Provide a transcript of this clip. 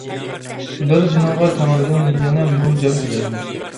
بىر جېنىڭغا تەڭرىدىن، يەنە مىڭ جان تىلەيمەن.